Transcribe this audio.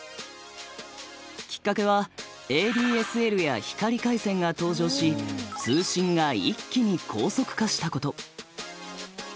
きっかけはＡＤＳＬや光回線が登場し通信が一気に高速化したこと。